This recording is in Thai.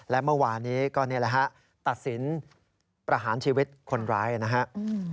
และเมื่อวานนี้ก็นี่แหละฮะตัดสินประหารชีวิตคนร้ายนะครับ